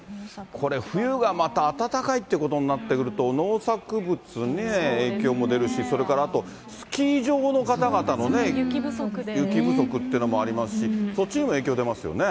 これ、冬がまた暖かいってことになってくると、農作物ね、影響も出るし、それからあと、スキー場の方々のね、雪不足っていうのもありますし、そっちにも影響出ますよね。